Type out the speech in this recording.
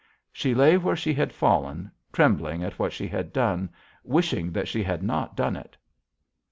"She lay where she had fallen, trembling at what she had done, wishing that she had not done it.